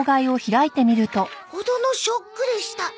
「ほどのショックでした」